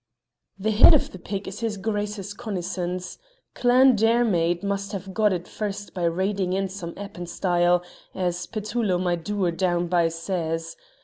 "The head of the pig is his Grace's cognisance. Clan Diarmaid must have got it first by raiding in some Appin stye, as Petullo my doer down by says.